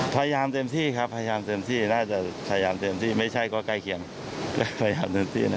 พยายามเต็มที่นะครับ